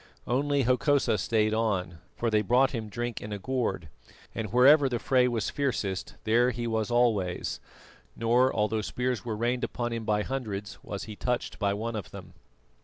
Only Hokosa stayed on, for they brought him drink in a gourd, and wherever the fray was fiercest there he was always; nor although spears were rained upon him by hundreds, was he touched by one of them.